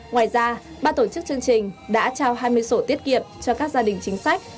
ngoài ra ba tổ chức chương trình đã trao hai mươi sổ tiết kiệm cho các gia đình chính sách